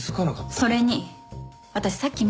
それに私さっき見たの。